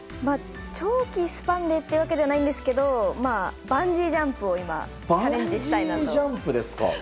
長期スパンでというわけじゃないですがバンジージャンプをチャレンジしたいなと。